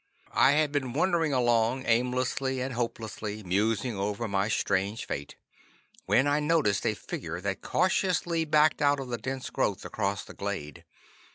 I had been wandering along aimlessly, and hopelessly, musing over my strange fate, when I noticed a figure that cautiously backed out of the dense growth across the glade.